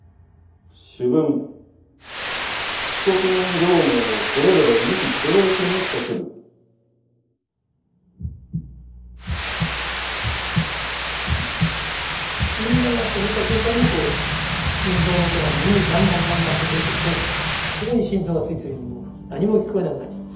主文被告人両名をそれぞれ有罪だと思った瞬間に心臓の音が耳にだんだんだんだん届いてきてここに心臓がついてるようにもう何も聞こえなくなっちゃった。